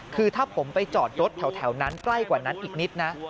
คือถ้าผมไปจอดรถแถวนั้นใกล้กว่านั้นอีกนิดนะ